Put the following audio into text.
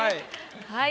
はい。